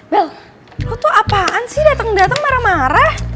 bel lo tuh apaan sih dateng dateng marah marah